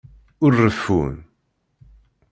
Ur reffun.